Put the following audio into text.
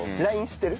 知ってる。